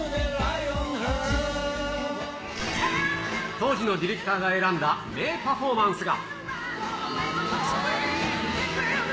当時のディレクターが選んだ名パフォーマンスが。